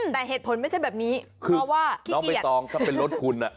แต่เหตุผลไม่ใช่แบบนี้เพราะว่าน้องใบตองถ้าเป็นรถคุณ